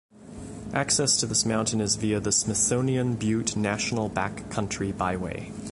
Access to this mountain is via the Smithsonian Butte National Back Country Byway.